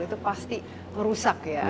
itu pasti merusak ya